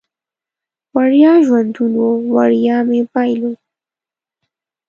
وړیا ژوندون و، وړیا مې بایلود